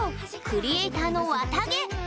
クリエーターの、わたげ！